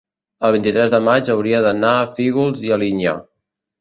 el vint-i-tres de maig hauria d'anar a Fígols i Alinyà.